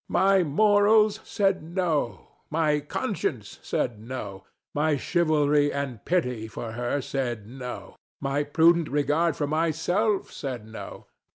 My morals said No. My conscience said No. My chivalry and pity for her said No. My prudent regard for myself said No.